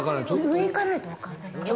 上行かないとわかんないか。